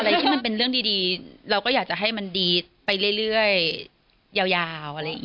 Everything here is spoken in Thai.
อะไรที่มันเป็นเรื่องดีเราก็อยากให้มันได้ไปเรื่อยยาว